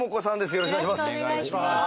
よろしくお願いします。